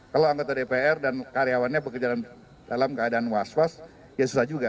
kalau anggota dpr dan karyawannya bekerja dalam keadaan was was ya susah juga